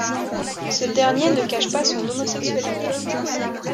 Ce dernier ne cache pas son homosexualité.